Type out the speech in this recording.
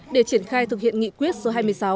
để triển khai thực hiện nghị quyết số hai mươi sáu